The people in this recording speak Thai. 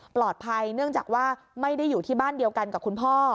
เนื่องจากว่าไม่ได้อยู่ที่บ้านเดียวกันกับคุณพ่อ